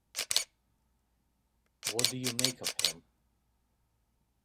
What do you make of him?